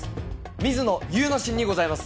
水野祐之進にございます。